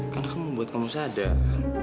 kan kamu membuat kamu sadar